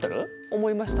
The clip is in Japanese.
思いました。